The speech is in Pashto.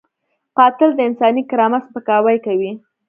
قاتل د انساني کرامت سپکاوی کوي